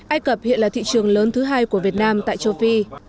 ai cập hiện là thị trường lớn thứ hai của việt nam tại châu phi